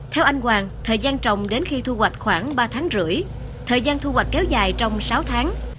theo anh hoàng thời gian trồng đến khi thu hoạch khoảng ba tháng rưỡi thời gian thu hoạch kéo dài trong sáu tháng